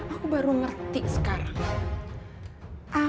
aku baru ngerti sekarang